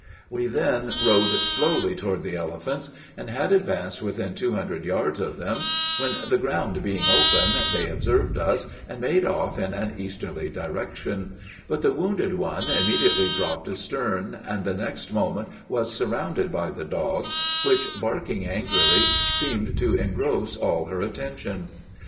We then rode slowly toward the elephants, and had advanced within two hundred yards of them when, the ground being open, they observed us and made off in an easterly direction; but the wounded one immediately dropped astern, and the next moment was surrounded by the dogs, which, barking angrily, seemed to engross all her attention.